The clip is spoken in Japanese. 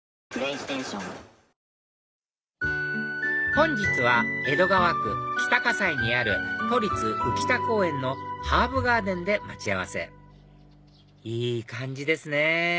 本日は江戸川区北西にある都立宇喜田公園のハーブガーデンで待ち合わせいい感じですね